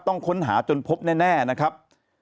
ต้องค้นหาจนพบแน่นะครับ